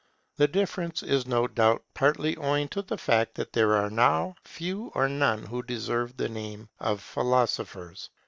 The difference is no doubt partly owing to the fact that there are now few or none who deserve the name of philosophers.